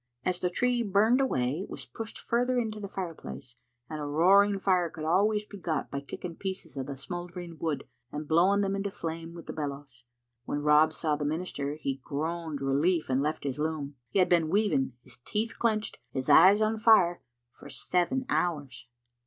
As the tree burned away it was pushed further into the fireplace, and a roaring fire could always be got by kicking pieces of the smoul dering wood and blowing them into flame with the bel lows. When Rob saw the minister he groaned relief and left his loom. He had been weaving, his teeth clenched, his eyes on fire, for seven hours.